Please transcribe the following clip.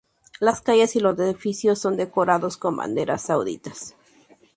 Las calles y los edificios son decorados con banderas Sauditas.